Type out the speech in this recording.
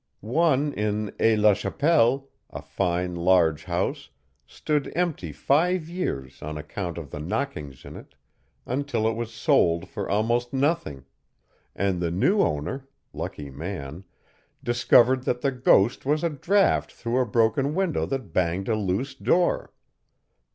One in Aix la Chapelle, a fine large house, stood empty five years on account of the knockings in it, until it was sold for almost nothing, and the new owner (lucky man!) discovered that the ghost was a draft through a broken window that banged a loose door.